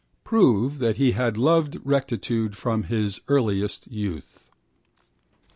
Prove that he had loved rectitude from his earliest youth.